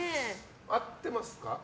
合ってますか？